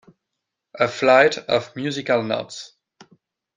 A flight of musical notes.